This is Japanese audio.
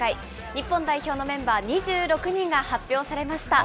日本代表のメンバー、２６人が発表されました。